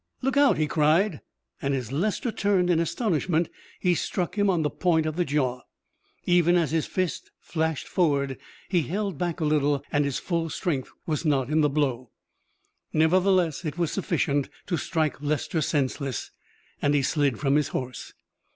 "Look out!" he cried, and as Lester turned in astonishment he struck him on the point of the jaw. Even as his fist flashed forward he held back a little and his full strength was not in the blow. Nevertheless it was sufficient to strike Lester senseless, and he slid from his horse.